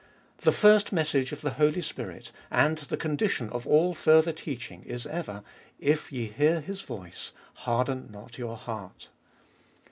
The first message of the Holy Spirit, and the condition of all further teaching is ever, If ye hear His voice, harden not your heart.